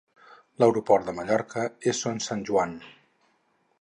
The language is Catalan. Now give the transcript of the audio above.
L'aeroport de Mallorca és Son Santjoan.